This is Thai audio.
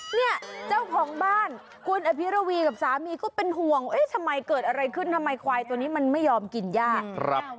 เนี่ยเจ้าของบ้านคุณอภิรวีกับสามีก็เป็นห่วงเอ๊ะทำไมเกิดอะไรขึ้นทำไมควายตัวนี้มันไม่ยอมกินยาก